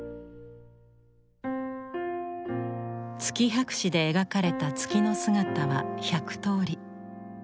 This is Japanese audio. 「月百姿」で描かれた月の姿は１００通り。